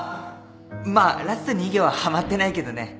まあラスト２行ははまってないけどね。